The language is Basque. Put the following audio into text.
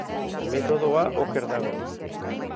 Metodoa oker dago.